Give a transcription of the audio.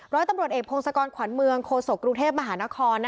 ร้อยตำรวจเอกพงศกรขวัญเมืองโคศกกรุงเทพมหานคร